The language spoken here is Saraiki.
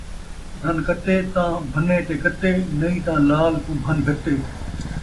رن کَتے تاں بھنے تے کَتے ، نئیں تاں لال کوں بھن گھتے